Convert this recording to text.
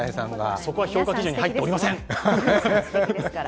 そこは評価基準に入っていません。